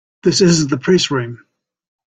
This is the Press Room.